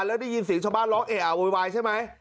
แล้วได้ยินเสียงชาวบ้านร้องเออะโวยวายใช่ไหม